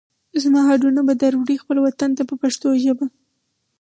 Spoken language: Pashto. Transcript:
زما هډونه به در وړئ خپل وطن ته په پښتو ژبه.